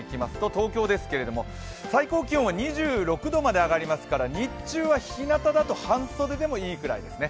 東京ですけれども最高気温は２６度まで上がりますから日中は日なただと半袖でもいいくらいですね。